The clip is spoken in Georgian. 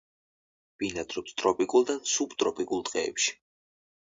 ბინადრობს ტროპიკულ და სუბტროპიკულ ტყეებში.